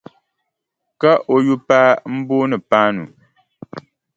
Ka o yupaa m-booni Paanu.